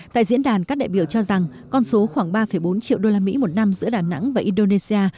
tại diễn đàn các đại biểu cho rằng con số khoảng ba bốn triệu usd một năm giữa đà nẵng và indonesia